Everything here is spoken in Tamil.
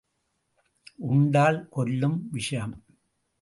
உண்டால் கொல்லும் விஷம்.